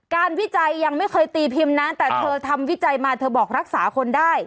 วิจัยยังไม่เคยตีพิมพ์นะแต่เธอทำวิจัยมาเธอบอกรักษาคนได้